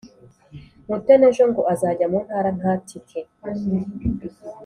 Mutoni ejo ngo azajya muntara ntatike